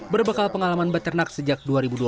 berbekal pengalaman beternak sejak dua ribu dua belas